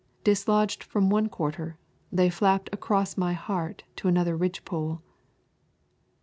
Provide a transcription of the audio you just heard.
Dislodged from one quarter, they flapped across my heart to another ridgepole.